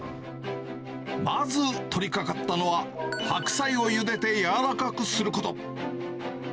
まず取りかかったのは、白菜をゆでで柔らかくすること。